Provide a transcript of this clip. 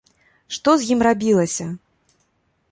Што з ім рабілася?